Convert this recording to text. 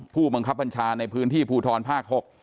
ผู้บังคับบัญชาในพื้นที่ภูทรภาค๖